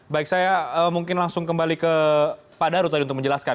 baik saya mungkin langsung kembali ke pak daru tadi untuk menjelaskan